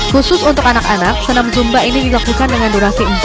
khusus untuk anak anak senam zumba ini dilakukan dengan durasi empat puluh lima menit lamanya